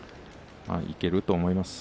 いけると思います。